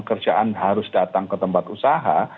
kerjaan harus datang ke tempat usaha